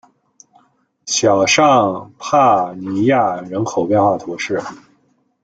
小尚帕尼亚人口变化图示